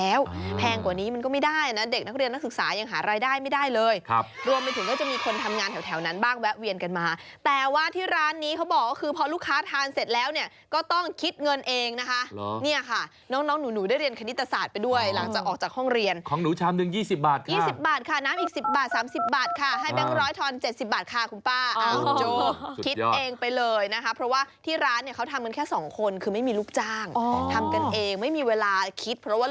เองนะคะเนี่ยค่ะน้องหนูได้เรียนคณิตศาสตร์ไปด้วยหลังจากออกจากห้องเรียนของหนูชามหนึ่งยี่สิบบาทค่ะยี่สิบบาทค่ะน้ำอีกสิบบาทสามสิบบาทค่ะให้แบงค์ร้อยทรอนเจ็ดสิบบาทค่ะคุณป้าอ้าวโจคิดเองไปเลยนะคะเพราะว่าที่ร้านเนี่ยเขาทำเงินแค่สองคนคือไม่มีลูกจ้างอ๋อท